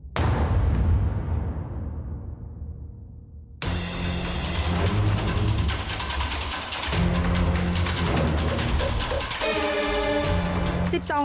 สวัสดีครับ